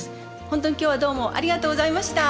本当に今日はどうもありがとうございました。